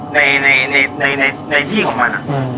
ในที่ของมัน